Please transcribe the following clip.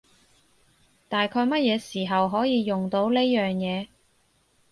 大概乜嘢時候可以用到呢樣嘢？